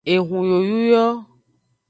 Ehun yoyu yo.